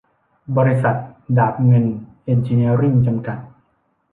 บริษัท ดาบเงินเอ็นจิเนียริ่ง จำกัด